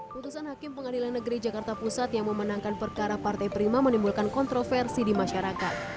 putusan hakim pengadilan negeri jakarta pusat yang memenangkan perkara partai prima menimbulkan kontroversi di masyarakat